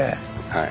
はい。